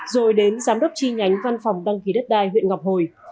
rồi đến giám đốc chi nhánh văn phòng đăng ký đất đai huyện ngọc hồi